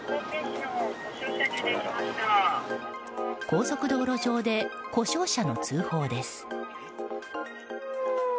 高速道路上で故障車の通報です。